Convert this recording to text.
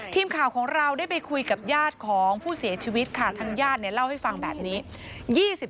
ทีมข่าวของเราได้ไปคุยกับญาติของผู้เสียชีวิตค่ะทางญาติเนี่ยเล่าให้ฟังแบบนี้